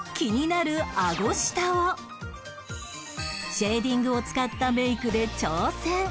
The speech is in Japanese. シェーディングを使ったメイクで挑戦